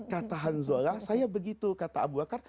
kata hanzola saya begitu kata abu bakar